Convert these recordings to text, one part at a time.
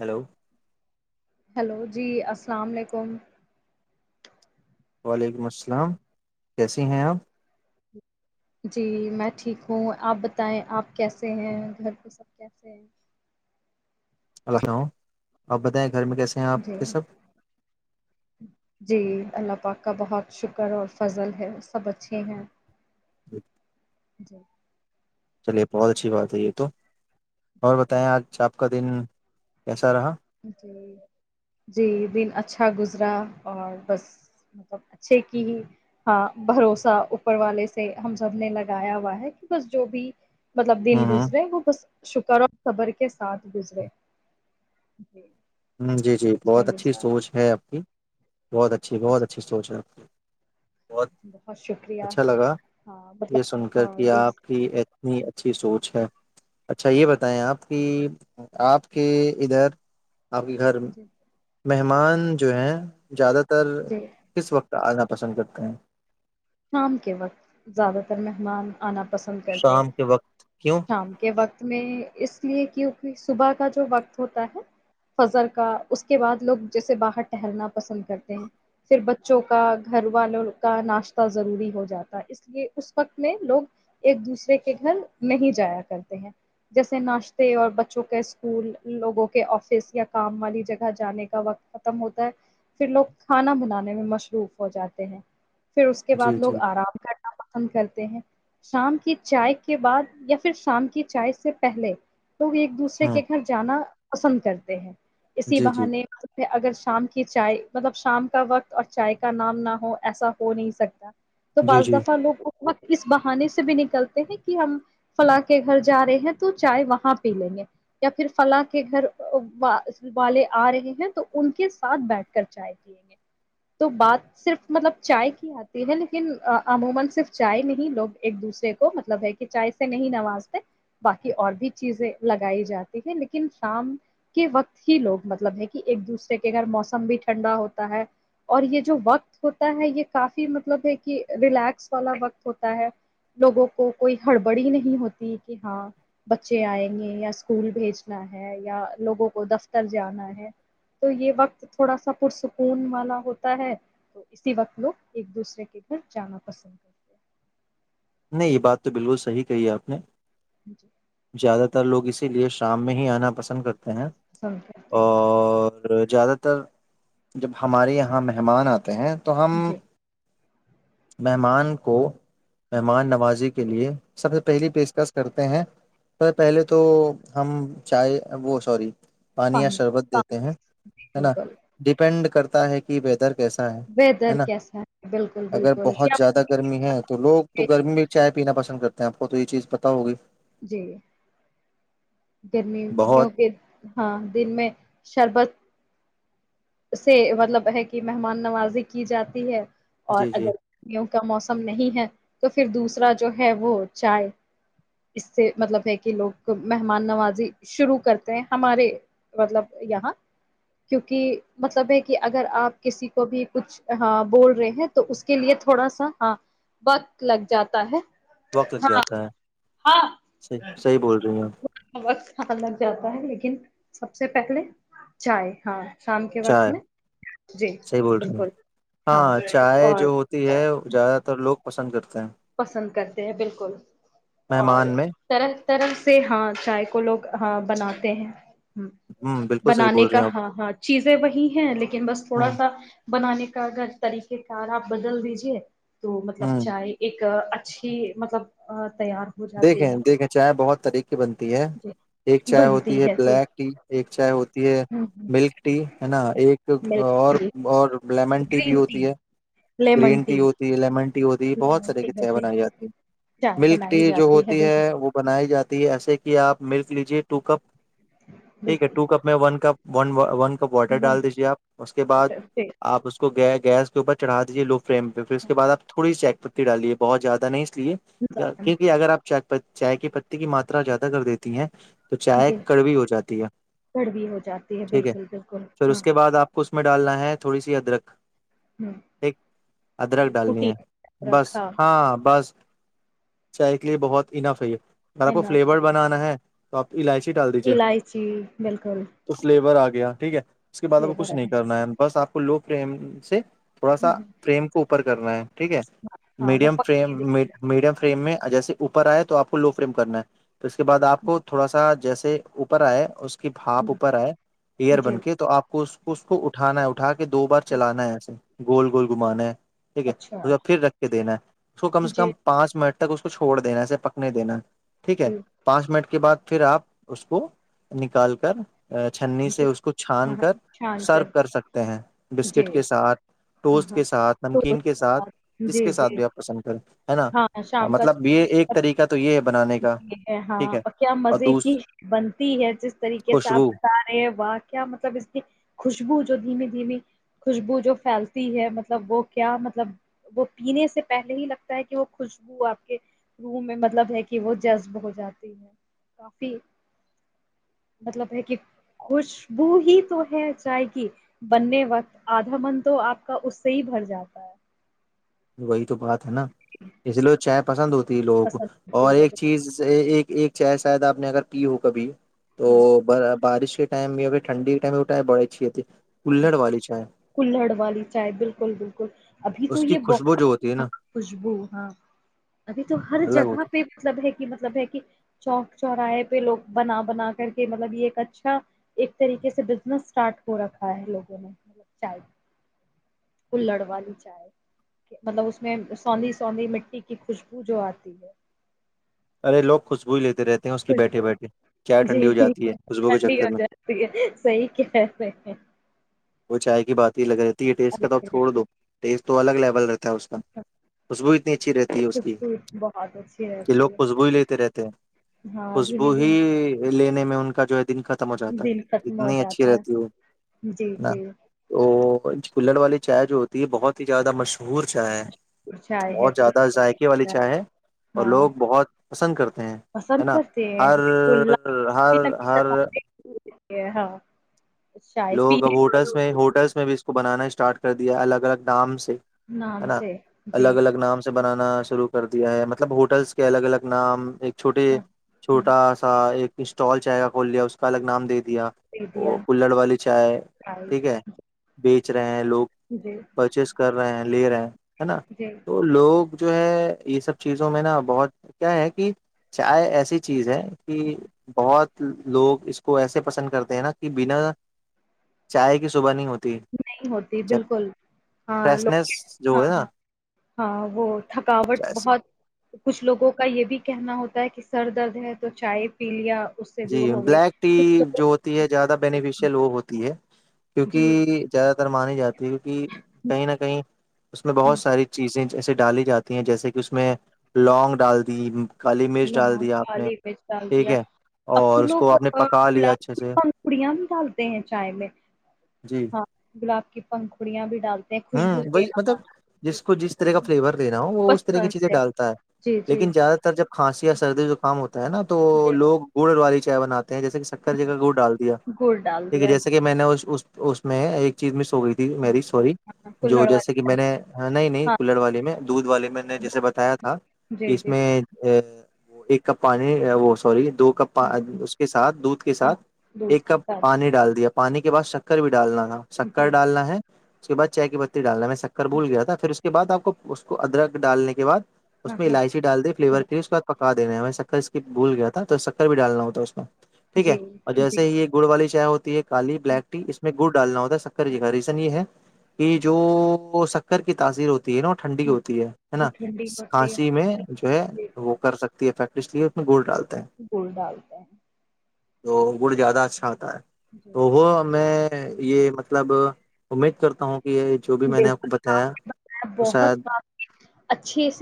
Hello hello جی السلام علیکم وعلیکم السلام کیسے ہیں آپ؟ جی میں ٹھیک ہوں آپ بتائیں آپ کیسے ہیں گھر پ سب کیسے ہیں اللہاؤ آپ بتائیں گھر میں کیسے ہیں آپ جی کے سب جی اللہ پاک کا بہت شکر اور فضل ہے سب اچھے ہیں جی [inaudible] چلیے بہت اچھی بات ہے یہ تو اور بتائیں آج چپ کا دن ایسا رہا جی جی دن اچھا گزرا اور بس مطلب اچھے کی ہی ہاں بھروسہ اوپر والے سے ہم سب نے لگایا ہوا ہے کہ بس جو بھی مطلب دن ہ ہ گزرے وہ بس شکر اور صبر کے ساتھ گزرے جی ہ جی جی اچھا بہت اچھی گزرا سوچ ہے آپ کی بہت اچھی بہت جی اچھی سوچ ہے آ بہت اچھا لگا ہاں مطلب یہ سن کر ہاں کہ یہ آپ کی اتنی اچھی سوچ ہے اچھا یہ بتائیں آپ کی آپ کے ادھر آپ کے گھر میں جی مہمان جو ہیں زیادہ ت تو جی کس وقت آنا پسند کرتے ہیں شام کے وقت زیادہ تر مہمان آنا پسند کرتے شام کے وقت کیوں شام کے وقت میں اس لیے کیونکہ صبح کا جو وقت ہوتا ہے فضر کا اس کے بعد لوگ جیسے باہر ٹہلنا پسند کرتے ہیں پھر بچوں کا گھر والوں کا ناشت ضروری ہو جاتا اس لیے اس وقت میں لوگ ایک دوسرے کے گھر نہیں جایا کرتے ہیں جیسے ناشتے اور بچوں کے اسکول لوگوں کے آفس یا کام والی جگہ جانے کا وقت ختم ہوتا ہے پھر لوگ کھانا بنانے میں مصروف ہو جاتے ہیں پھر اس کے بعد جی لوگ جی آرام کرنا پسند کرتے ہیں شام کی چائے کے بعد یا پھر شام کی چائے سے پہلے تووگ ایک دوسرے ہاں کے گھر جانا پسند کرتے ہیں اسی جی جی بہانے اگر شام کی چائے مطلب شام کا وقت اور چائے کا نام نہ ہو ایسا ہو ہو نہیں سکتا تو جی بعض جی دفعہ لوگ اس بہانے سے بھی نکلتے ہیں کہ ہم فلاں کے گھر جا رہے ہیں تو چائے وہاں پی لیں گے یا پھر فلاں کے گھر والے آ رہے ہیں تو ان کے ساتھ بیٹھ کر چائے پیئیں گے تو بات صرف مطلب یہ صرف رسمی کارروائیوں کے بارے میں نہیں ہے؛ لوگوں کو ایک دوسرے کی کمپنی کی ضرورت ہے - چائے بانٹنا اور شام کو ایک دوسرے کے گھر جانا تا یہ کافی مطلب ہے کہ ریلیکس والا وقت ہوتا ہے لوگوں کو کوئی ہڑبڑی نہیں ہوتی کہ ہاں بچے آئیں گے یا اسکول بھیجنا ہے یا لوگوں کو دفتر جانا ہے تو یہ وقت تھوڑا سا پرسکون والا ہوتا ہے تو اسی وقت لوگ ایک دوسرے کے گھر جانا پسند کرتے ہیں نہیں یہ بات تو بالکل صحی کہی آپ نے جی زیادہ لوگ اسی لیے شام میں ہی آنا پسند کرتے ہیں پسند کرتے ہیں اور اور زیادہ تر جب ہمارے یہاں مہمان آتے ہیں تو ہم جی مہمان کو مہمان نوازی کے لیے سب سے پہلی جی پیشکش کرتے ہیں سب سے پہلے تو ہم چائے وہ سوری پانی یا شربت دیتے ہیں ہے نا بالکل ڈیپینڈ کرتے ہے کہ ویدر کے ایسا ہے ہے ویدر نا کیسا ہے بالکل اگر بالکل بہت کیا زیادہ گرمی ہے تو لوگ تو گرمیی میں چائے پینا پسند کرتے ہیں آپ کو تو یہ چیز پتا ہوگی جی بہت گرمیوں کے ہاں دن میں شربت سے مطلب ہے کہ مہمان نوازی کی جاتی ہے اور جی جی اگر کا موسم نہیں ہے تو پھر دوسرا جو ہے وہ چائے اس سے مطلب ہے کہ لوگ مہمان نوازی شروع کرتے ہیں ہمارے مطلب یہاں کیونکہ مطلب ہے کہ اگر آپ کسی کو بھی کچھ بول رہے ہیں تو اس کے لیے تھوڑا سا ہاں وقت لگ جاتا ہے وقت لگ ہاں جاتا ہے ہاں صحی صحیح بول رہے ہ [unintelligible] وقت ہ لگ جاتا ہے لیکن سب سے پہلے چائے ہاں شام کے وقت چائے میں جی صحیح بول رہے ہیں بالکل ہاں چائے اور جو ہوتی ہے زیادہ تر لوگ پسند کرتے ہیں پسند کرتے ہیں بالکل اور مہمان میں طرح طرح سے ہاں چائے کو لوگ بناتے ہیں ہ ہ بالکل صحیح بنانے بول رہے کا ہیں آپ ہاں ہاں چیزیں وہی ہیں لیکن بس ہ تھوڑا سا بنانے کا اگرگر طریقے کا آپ بدل دیجیے تو مطلب ہ چاہے اچھی مطلب ااں [unintelligible] دیکھیں دیکھیں چائے بہت طریقے بنتی ہے جی ایک چائے بنتی ہوتی ہے جی بلیک ٹی ایک چائے ہوتی ہے ہوں ہوں ملک ٹی ہے نا ایک اور ملک ٹی اور لیمن ٹی بھی ہوتی ہے گرین ٹی ہوتی لیمن ہوتی بہت لیمن سارے ٹی کی چائے کہتے بنائی ہیں جاتی ہے چائے ملک ٹی بنائی جو جاتی ہوتی بالکل ہے وہ بنائی جاتی ہے ایسے کہ آپ ملک لیجے ٹو کپ ٹھیک ہے بالکل ٹو کپ میں one cup one one water ڈال دیجیے آپ اس کے بعد واٹر سے آپ اس کو گی گس کے اوپر چڑا جوگ فریم پہ پھر اس کے بع آپ تھوڑی چیک کر ک ڈالیے بہت زیادہ نہیں کیونکہ اگر آپ چ چائے کی پتی کی ماترا زیادہ کر دیتی ہیں تو چائے جی کڑوی ہو جاتی ہے کڑوی ہو جاتی ٹھیک ہے بالکل بالکل پھر ہاں اس کے بعد آپ اس میں ڈالنا ہے تھوڑی سی ادرک ہ ایک ادرک جی ڈالنی کٹی ہے بس رکھا ہاں بس چائے کے لیے بہت انناف ہے ہے سذر آپ ہے کو نا فلیور صحیح بنانا ہے ب الائچی بالکل ف ہے گیا ٹھیک ہے اس کے بعد ا کو کچھ نہیں کرنا ہے بس آپ لو فریم سے تھوڑا سا پرریم کو اوپر کرنا ہے ٹھیک ہے ہاں وہ میڈیم فم پکتی میڈیم فریم میں جیے اوپر آئے تو آپ کو لو فریم کرنا ہے تو اس کے بعد آپ کو جی تھوڑا سا جیسے اوپر آئے اس پھاپ اوپر آئے ایئر جی بن کے تو آپ کو اس اس کو اٹھانا ہے اٹھا کے دو بار چلانا ہے اسسے گول گول گھمانے ہے ٹھیک اچھا ہے پھر رکھ کے دینا ہے اس کو کم سے جی کم پانچ منٹ تک اس کو چھوڑ دینا سے پکنے دینا ٹھیک ہے جی پانچ منٹ کے بعد پھر آپ اس کو نکال کر چھننی سے جی اس کو ہاں چھان ہاں کر چھان سرو کر سکتے ہیں جی بسکٹ کے ساتھ ہاں ٹوس ہاں کے ساتھ تو نمکین اس کے ساتھ بعد جس جی کے ساتھ جی بھی آپ پسند کریں ج [inaudible] ہے نا ہاں مطلب یہ ایک طریقہ تو یہ بنانے کا ج ہاں ٹھیک ہے اور کیا مزے کی بنتی ہے جس طریقے سے آپ خوشبو بتا رہے ہیں واہ کیا مطلب اس کی خوشبو دھی دھی خوشبو جو پھیلتی ہے مطلب وہ کیا مطلب وہ پینے سے پہلے ہی لگتا ہے کہ وہ خوشبو آپ کے روح میں مطلب ہے کہ کہ وہ جذب ہو جاتی ہے کافی مطلب ہے کہ خوشبو ہی تو ہے چائے کہ بننے وقت آدھا من تو آپ کا اس سے ہی بھر جاتا ہے وہی تو بات ہے نا اس لے چیپ پسند ہو ت لوگوں پسند اور ایک لوگ چیز ایک ایک چے شاید آپ نے اگر کی ہو کبھی تو بارش ٹائم میں ا ٹھنی ٹائم اٹھ ہے بڑ اچیتی کلہڑ والی چائے بالکل بالکل ابھی تو اس کی یہ خوشبو بہت جو ہوتی ہے نا خوشبو ہاں ابھی تو ہر الگ جگہ ہوتی ہے. پہ مطلب ہے کہ مطلب ہے کہ چوک چوراہے پہ لوگ بنا بنا کر کے مطلب یہ ایک اچھا ایک طریقے سے بزنس اسٹارٹ ہو رکھا ہے لگوں نے مطب چاہ وہ لڑوا لیی چائے مطلب اس میں سوندھی سوندھی مٹی کی خوشبو جو آتی ہے ارے لگ خوش بوول لیتے رہتے ہیں اس کی بیٹھے بیٹھے چائے جی ٹھنڈی ہو جاتی ہے خوشبو کے ٹھنڈی چکر ہو میں جاتی ہے صحیح کیاتے وہ چائے کی بات ہی لگ رہے تھے یہ ٹیسٹ کا تھا توب تھوڑا دو ٹیسٹ الگ لیول رہ اس کا خوشبو اتنی اچھی رہتی ہے اس کی خوشبو بہت اچھی کہ لوگ رہتی ہے خوشبو ہی لیتے رہتے ہیں ہاں خوشبو دھیمے ہی دھیمے لینے میں ان کے [unintelligible] دن ختم ہو جاتا دن ہے ختم ہو اتنی اچھی جاتا ہے رہتی وہ جی جی [unintelligible] کلڑ والی چائے جو ہوتی ہے بہت ہی زیادہ مشہور چائے ہے مشہور چائے ہے بہت زیادہ ذائقے والی کل چائے ہے اور ہاں لوگ بہت پسند کرتے ہیں ہے پسند نا کرتے ہیں ہر بالکل ہر لال ہر قلعہ، [unintelligible] لوگ اب پینے ہوٹلس والوں میں کو ہوٹلس میں بھی اس کو بنانا اسٹارٹ کر دیا الگ الگ نام سے ہے نام نا سے جی الگ الگ نام سے بنانا شروع کر دیا ہے مطلب ہوٹلس کے الگ الگ نام ایک چھوٹیے ہاں ہاں چھوٹا سا ایک اسٹال چاہ گ کھول لیا اس کا الگ نام د دیا دے وہ دیا کلڑ والی چائے چائے ٹھیک ہے بیچ چار لوگ جی پرچیز کر لے رہے ہیں ہے نا جی تو لوگ جو ہے یہ سب چیزوں میں نا بہت کیا ہے کہ چائے ایسی چیز ہے کہ بہت لوگ اس کو ایسے پسند کرتے ہیں نا کہ بنا چائے کی صبح نہیں ہوتی نہیں ہوتی بالکل ہاں لوک فریشنیس ہاں جو ہے ہاں نا ہاں وہ تھکاوٹ چائے سے بہت کچھ لوگوں کا یہ بھی کہنا ہوتا ہے کہ سر درد ہے تو چائے پی لیا اس سے جی دور ہو گئی بلیک کچھ ٹی لوگوں جو ہوتی ہے زیادہ بینیفیشیل وہ ہوتی ہے جی کیونکہ زیادہ تر مانے جاتے کیک کہ کہیں نہ کہیں اس میں بہت ہوں، ساری چیزیں جسے ڈالی جاتی ہیں جیسے کہ اس میں لونگ ڈال دی کالی مرچ ڈال لونگ دیا آپ نے کالی مرچ ڈال ٹھیک دیا ہے اب تو اور اس لوگ کو آپ نے پکا لیا گلاب اچھے کی سے پنگڑیاں بھی ڈالتے ہیں چائے میں جی ہاں گلاب کی پنکھڑیا بھی ڈالتے ہیں ہوں خوشبو کے وہی مطلب ہمارے جی جس کو جس طرح کا فلیور لینا ہو وہ اس طرح کی چیزیں ڈالتا ہے جی جی لیکن زیادہ تر جب کھانسی یا سردی جو کام ہوتا ہے نا تو جی لوگ گڑ والی جناات جیسے کہ شکر جگہ گوڑ ڈال دیا گڑ ڈال ٹھیک ہے دیا جیسے جی کہ میں نے اس میں ایک چیز م ہو گئی تھی ہاں میری سوری ہاں، جو کلہڑ جیسے والی کہ میں چائے، نے نہیں نہیں ہاں کولر والے میں دودھ والے میں نے جیسے دودھ ڈال بتایا تھا دیا، کہ جی اس جی میں ایک کپ پانی وہ سوری دو کپ ہوں۔ اس کے ساتھ دودھ کے ہاں ساتھ ایک دودھ کے کپ ساتھ پانی ڈال دیا پانی کے بع شکر بھی ڈالنا ن شکر جی ڈالنا ہے اس کے بع چائے کی پتی ڈال رہا میں کر بھول جی گیا تھا پھر اس کے بعد آپ کو اس کو ادرک ڈالنے کے بعد ہاں اس میں ہاں اللاائچی ڈال دیے فلیور کے لی اس کے بعد پکا دینے میں شکر کی بھول گیا تھا تو شکر بھی ڈالنا ہوتا ہے اس میں ٹھیک ہے جی اور جیس جی ہی یہ گڑ والی کیا ہوتی ہے کالی بلیک ٹی اس میں گڑ ڈالنا ہوتا سکر جی کا ریزن یہ ہے یہ جو شکار کی تاثیر ہو تینوں ٹھنڈی ہاں ہوتی ہے ہے تو نا ٹھنڈی ہوتی ہے کھانسی میں جو ہے جی، وہ کر سک تی ہے فیکٹریٹ اس میں گول ڈال گول ڈالتا ہے تو گڑ زیادہ اچھا تا ہے جی تو جی وہ میں یہ ما مطلب کرتا ہوں کہ یہ جو بھی میں نے [unintelligible] آپ کو بتایا وہ شاید وہی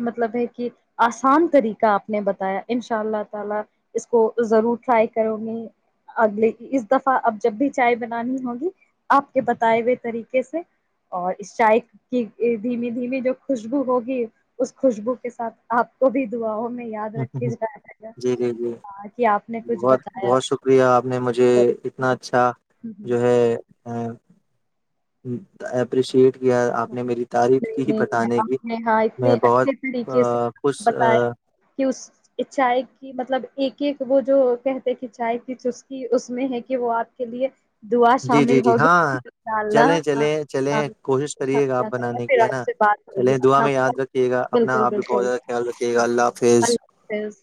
مطلب ہے کہ آسان طریقہ آپ نے بتایا ان شاء اللہ تعالی اس کو ضرور ٹرائی کروں گی اگلے اس دفعہ اب جب بھی چائے بنا نانی ہوں گی آپ کے بتائے ہوئے طریقے سے اور چائے کی دھی دھیمی جو خوشبو ہوگی اس خوشبو کے ساتھ آپ کو بھی دعاؤں میں یاد ہمم ہمم رکھے ہمم جائے گا جی جی جی ہاں، کہ آپ نے کچھ بہت بتایا بہت شکریہ آپ نے مجھے اتنا اچھا جو ہے ہمم ہمم ایپریشٹ کیا آپ نے میری تعریف کی نہیں ہی نہیں بتانے کی آپ نے ہاں میں اتنے بہت اچھے طریقے خوش اچھا ہے کی مطلب ایک ایک وہ جو کہتے کہ ا چائی کی اس میں ہے کہ وہ آپ کے لیے دعا جی جی شامل جی ہوگی ہاں انشاء اللہ چلیں ہاں چلیں ہاں چلیں کوشش کریے گا آپ بنانے کی پھر ہے آپ نا سے بات ہوگی چلے دعا اپنا میں یاد رکھیے گا اپنا بالکل آپ بھی بہت بالکل زیادہ خیال رکھیے گا اللہ جی حافظ اللہ حافظ